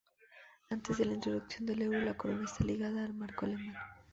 Antes de la introducción del euro, la corona estaba ligada al marco alemán.